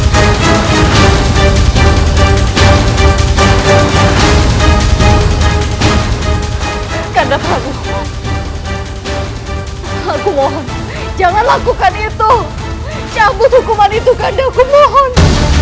karena baru aku mohon jangan lakukan itu campur hukuman itu kandangku mohon